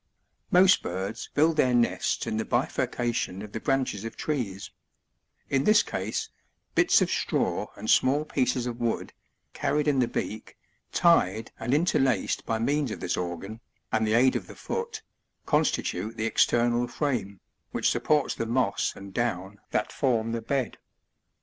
7. Most birds build their nests in the bifurcation of the branches of tre*»s; in this case, bits of straw and small pieces of wood, carried in the beak, tied and interlaced by means of this organ, and the aid of the foot, constitute the external frame, which sup ports the moss and down that form the bed.